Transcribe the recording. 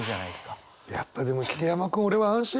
やっぱでも桐山君俺は安心した。